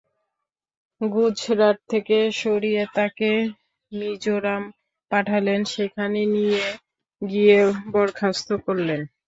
গুজরাট থেকে সরিয়ে তাঁকে মিজোরাম পাঠালেন, সেখানে নিয়ে গিয়ে বরখাস্ত করলেন।